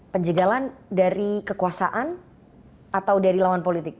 penjagalan dari kekuasaan atau dari lawan politik